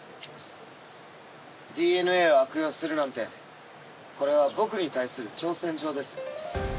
ＤＮＡを悪用するなんてこれは僕に対する挑戦状です。